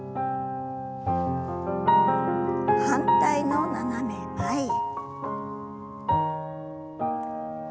反対の斜め前へ。